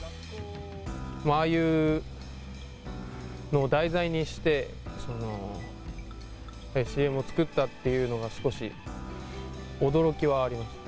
ああいうのを題材にして、ＣＭを作ったっていうのが、少し驚きはありました。